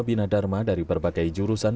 bina dharma dari berbagai jurusan